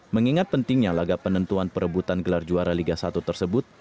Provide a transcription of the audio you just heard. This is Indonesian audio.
mengingat pentingnya laga penentuan perebutan gelar juara liga satu tersebut